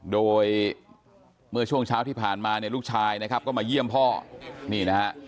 โดยเมื่อช่วงเช้าที่ผ่านมาเนี่ยลูกชายนะครับก็มาเยี่ยมพ่อนี่นะฮะ